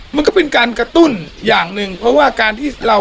มันก็เป็นการกระตุ้นอย่างหนึ่งเพราะว่าการที่เรา